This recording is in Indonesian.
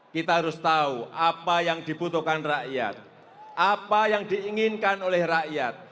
kita harus tahu apa yang dibutuhkan rakyat apa yang diinginkan oleh rakyat